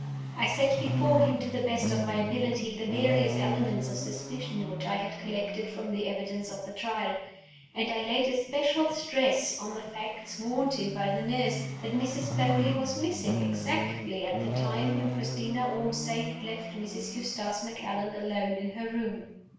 I set before him, to the best of my ability, the various elements of suspicion which I had collected from the evidence at the Trial; and I laid especial stress on the fact (sworn to by the nurse) that Mrs. Beauly was missing exactly at he time when Christina Ormsay had left Mrs. Eustace Macallan alone in her room.